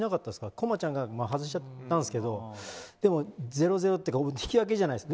コマちゃんが外しちゃったんですけど引き分けじゃないですか。